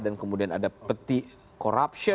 dan kemudian ada peti korupsi